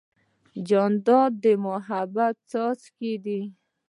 جانداد د محبت څاڅکی دی.